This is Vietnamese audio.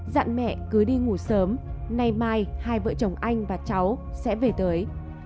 dạn mẹ cứ đi ngủ sớm nay mai hai vợ chồng anh và cháu sẽ về tới